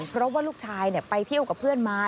เพราะว่าลูกชายไปเที่ยวกับเพื่อนมา